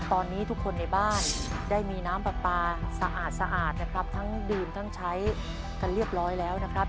ตอนนี้ทุกคนในบ้านได้มีน้ำปลาปลาสะอาดสะอาดนะครับทั้งดื่มทั้งใช้กันเรียบร้อยแล้วนะครับ